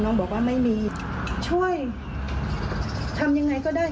บอกว่าไม่มีช่วยทำยังไงก็ได้